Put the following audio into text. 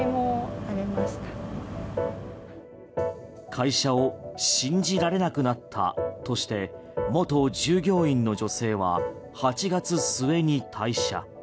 会社を信じられなくなったとして元従業員の女性は８月末に退社。